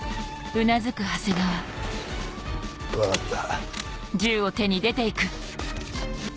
分かった。